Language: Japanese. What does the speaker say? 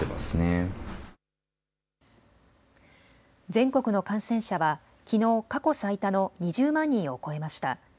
全国の感染者はきのう過去最多の２０万人を超えました。